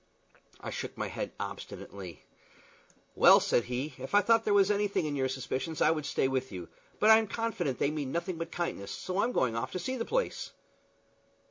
I shook my head obstinately. "Well," said he, "if I thought there was anything in your suspicions I would stay by you; but I'm confident they mean nothing but kindness, so I'm going off to see the place."